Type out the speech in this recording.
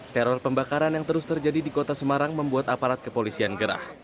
teror pembakaran yang terus terjadi di kota semarang membuat aparat kepolisian gerah